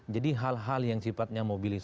jadi hal hal yang sifatnya mobilisasi